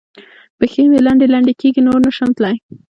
پښې مې لنډې لنډې کېږي؛ نور نه شم تلای.